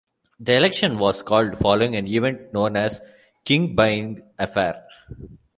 The election was called following an event known as the King-Byng Affair.